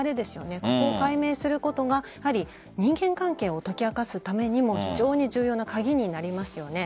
ここを解明することがやはり人間関係を解き明かすためにも非常に重要な鍵になりますよね。